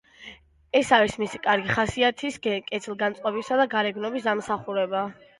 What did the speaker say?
ეს არის მისი კარგი ხასიათის, კეთილგანწყობის და გარეგნობის დამსახურება.